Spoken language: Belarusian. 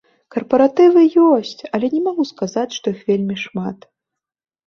Карпаратывы ёсць, але не магу сказаць, што іх вельмі шмат.